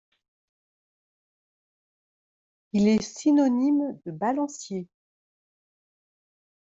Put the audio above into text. Il est synonyme de balancier.